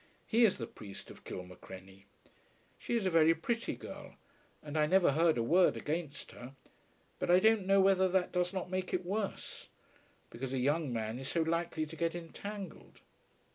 He is the priest of Kilmacrenny. She is a very pretty girl, and I never heard a word against her; but I don't know whether that does not make it worse, because a young man is so likely to get entangled.